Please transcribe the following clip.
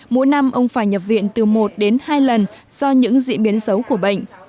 mỗi năm ông phải nhập viện từ một đến hai lần do những diễn biến xấu của bệnh